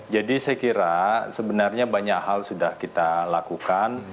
jadi saya kira sebenarnya banyak hal sudah kita lakukan